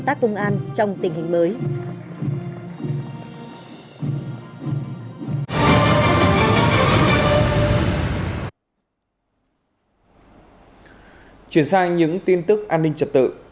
truyền sang những tin tức an ninh trật tự